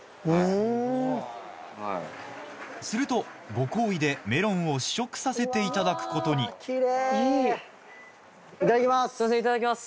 するとご厚意でメロンを試食させていただくことにいただきます。